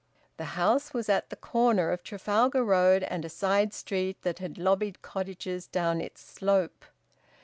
The house was at the corner of Trafalgar Road and a side street that had lobbied cottages down its slope.